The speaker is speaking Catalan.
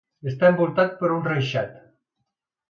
Està envoltat per un reixat.